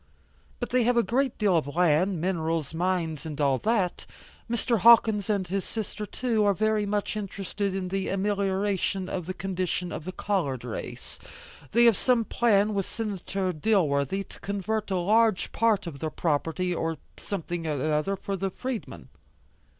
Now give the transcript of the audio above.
But they have a great deal of land, minerals, mines and all that. Mr. Hawkins and his sister too are very much interested in the amelioration of the condition of the colored race; they have some plan, with Senator Dilworthy, to convert a large part of their property to something another for the freedmen."